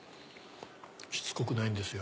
しつこくないんですよ。